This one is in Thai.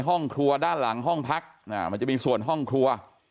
ห้องครัวด้านหลังห้องพักมันจะมีส่วนห้องครัว